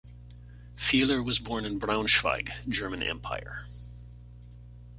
Fiehler was born in Braunschweig, German Empire.